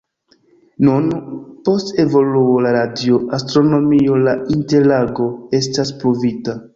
Nun, post evoluo de radio-astronomio la interago estas pruvita.